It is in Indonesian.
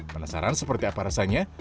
penasaran seperti apa rasanya